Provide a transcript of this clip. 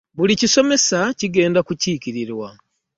Buli kisomesa kigenda kukiikirirwa.